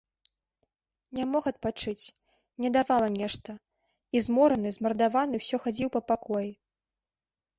Не мог адпачыць, не давала нешта, і змораны, змардаваны ўсё хадзіў па пакоі.